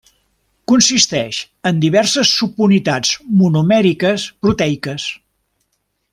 Consisteix en diverses subunitats monomèriques proteiques.